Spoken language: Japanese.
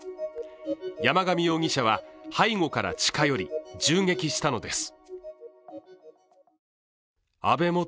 山上容疑者は背後から近寄り、銃撃したのです。